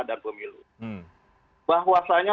dan pemilu bahwasanya